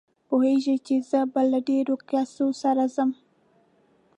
پوهېږي چې زه به له ډېرو کیسو سره راځم.